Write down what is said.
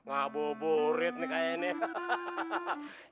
ngabur burit nih kayaknya ini